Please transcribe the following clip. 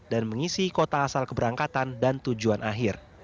dan mengisi kota asal keberangkatan dan tujuan akhir